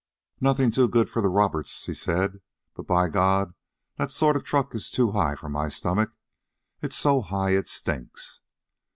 "Nothin's too good for the Robertses," he said; "but, by God, that sort of truck is too high for my stomach. It's so high it stinks."